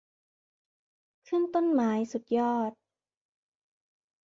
ขึ้นต้นไม้สุดยอด